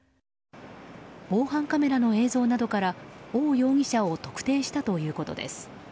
防犯カメラの映像などからオウ容疑者を特定したということです。